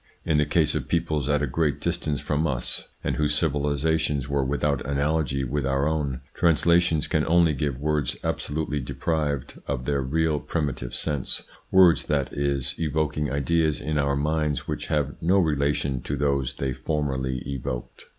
In the case of peoples at a great distance from us, and whose civilisations were without analogy with our own, translations can only give words absolutely deprived of their real primitive sense, words, that is, evoking ideas in our mind which have no relation to those they formerly evoked.